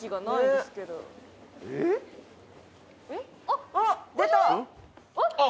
「あっ出た！」